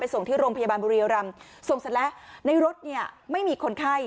ส่งที่โรงพยาบาลบุรีรำส่งเสร็จแล้วในรถเนี่ยไม่มีคนไข้